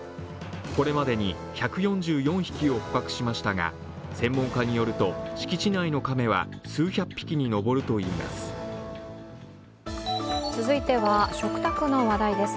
これまでに１４４匹を捕獲しましたが専門家によると、敷地内の亀は数百匹に上るといいます。